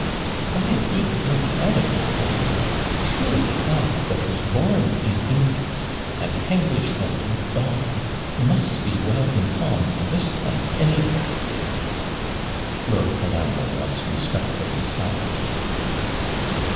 'I BIG your PAWDON, Colambre; surely I, that was born in England, an Henglish woman BAWN! must be well INFAWMED on this PINT, anyway.' Lord Colambre was respectfully silent.